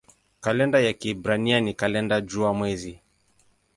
Kalenda ya Kiebrania ni kalenda jua-mwezi.